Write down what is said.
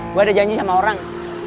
gue ada janji sama orang